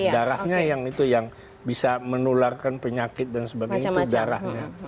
darahnya yang itu yang bisa menularkan penyakit dan sebagainya itu darahnya